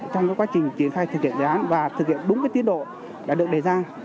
trong quá trình triển khai thực hiện dự án và thực hiện đúng tiến độ đã được đề ra